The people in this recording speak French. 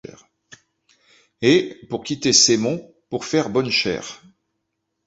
Et, pour quitter ces monts, pour faire bonne chère